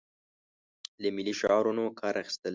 له ملي شعارونو کار اخیستل.